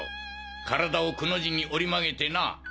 体をくの字に折り曲げてな！